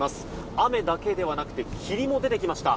雨だけではなくて霧も出てきました。